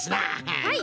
はい。